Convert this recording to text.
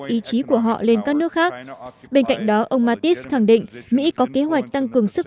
nỗ lực của họ lên các nước khác bên cạnh đó ông gematis khẳng định mỹ có kế hoạch tăng cường sức